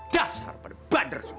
dasar pada bader semua